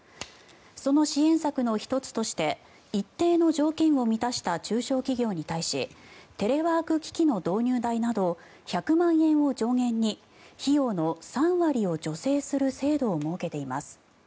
その支援策の１つとして一定の条件を満たした中小企業に対しテレワーク機器の導入代など１００万円を上限に費用の３割を助成する制度を設けています。